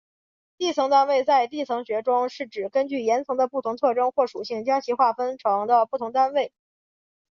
地层单位在地层学中是指根据岩层的不同特征或属性将其划分成的不同单位。